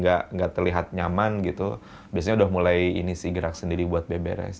jadi gak terlihat nyaman gitu biasanya udah mulai ini sih gerak sendiri buat beres